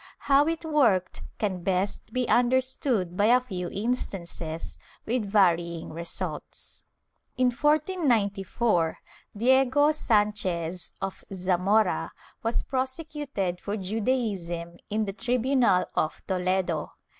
How it worked can best be understood by a few instances, with varying results. In 1494, Diego Sdnchez of Zamora was prosecuted for Judaism in the tribunal of Toledo.